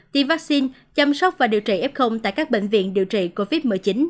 tiêm vaccine chăm sóc và điều trị f tại các bệnh viện điều trị covid một mươi chín